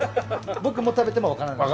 僕も食べてもわからないです。